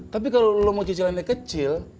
tapi kalau lo mau cicilannya kecil